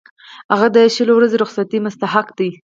هغه د شلو ورځو رخصتۍ مستحق دی.